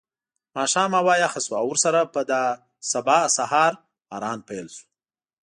ماښام هوا یخه شوه او ورسره په دا سبا سهار باران پیل شو.